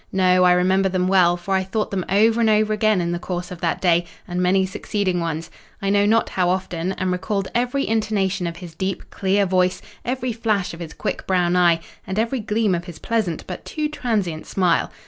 No; I remember them well; for I thought them over and over again in the course of that day and many succeeding ones, I know not how often; and recalled every intonation of his deep, clear voice, every flash of his quick, brown eye, and every gleam of his pleasant, but too transient smile.